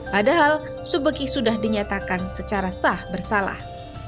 padahal subeki sudah dinyatakan secara sah bersalah